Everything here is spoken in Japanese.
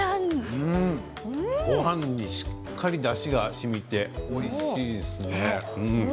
ごはんにしっかりだしがしみておいしいですね。